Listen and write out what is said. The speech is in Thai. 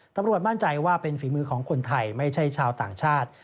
ตำรวจมั่นใจว่าเป็นฝีมือของคนไทยไม่ใช่ชาวต่างชาติ